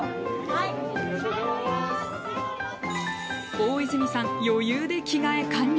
大泉さん、余裕で着替え完了！